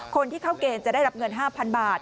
คนที่เข้าเกณฑ์จะได้รับเงิน๕๐๐๐บาท